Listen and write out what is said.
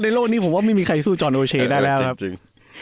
โลกนี้ผมว่าไม่มีใครสู้จอนโอเชได้แล้วนะครับจริง